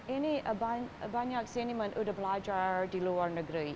ini banyak cinema yang sudah belajar di luar negeri